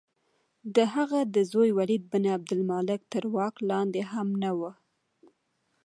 د هغه د زوی ولید بن عبدالملک تر واک لاندې هم نه وه.